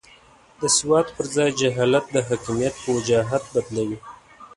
د سواد پر ځای جهالت د حاکمیت په وجاهت بدلوي.